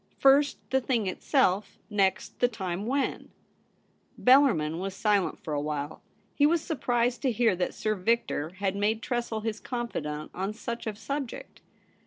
First, the thing itself; next the time when.' 10 — 2 148 THE REBEL ROSE. Bellarmin was silent for awhile. He was surprised to hear that Sir Victor had made Tressel his confidant on such a subject.